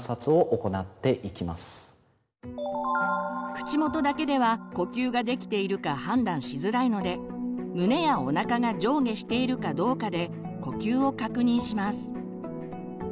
口元だけでは呼吸ができているか判断しづらいので胸やおなかが上下しているかどうかで呼吸を確認します。